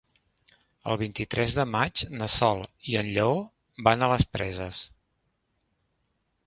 El vint-i-tres de maig na Sol i en Lleó van a les Preses.